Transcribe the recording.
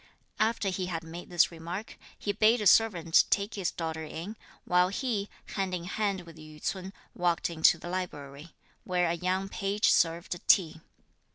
After he had made this remark, he bade a servant take his daughter in, while he, hand in hand with Yü ts'un, walked into the library, where a young page served tea.